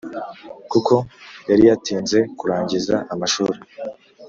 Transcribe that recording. kuko yari yatinze kurangiza amashuri.